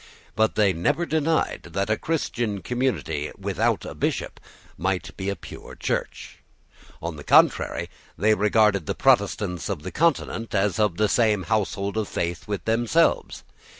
But they never denied that a Christian community without a Bishop might be a pure Church. On the contrary, they regarded the Protestants of the Continent as of the same household of faith with themselves.